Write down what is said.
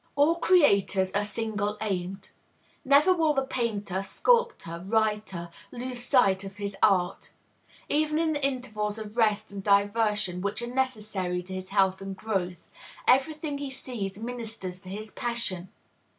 All creators are single aimed. Never will the painter, sculptor, writer lose sight of his art. Even in the intervals of rest and diversion which are necessary to his health and growth, every thing he sees ministers to his passion.